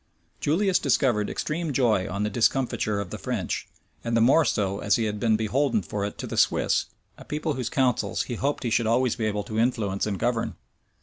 {1513.} Julius discovered extreme joy on the discomfiture of the French; and the more so as he had been beholden for it to the Swiss, a people whose councils he hoped he should always be able to influence and govern.